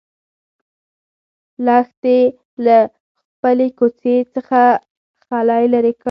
لښتې له خپلې کوڅۍ څخه خلی لرې کړ.